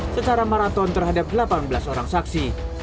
secara maraton terhadap delapan belas orang saksi